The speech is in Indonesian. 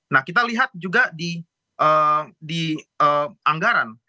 nah kita lihat juga di anggaran